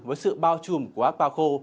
với sự bao trùm của áp cao khô